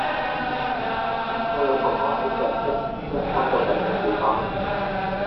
有個老婆婆喺石壁羌山道等緊小巴